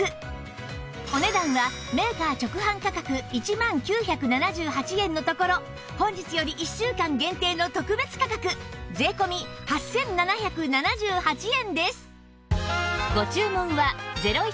お値段はメーカー直販価格１万９７８円のところ本日より１週間限定の特別価格税込８７７８円です